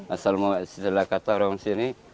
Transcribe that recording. asal mau setelah katarong sini